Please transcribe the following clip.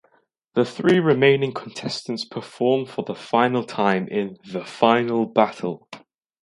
The three remaining contestants perform for the final time in "The Final Battle".